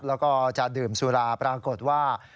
แล้วก็จะดื่มสุราปรากฏว่า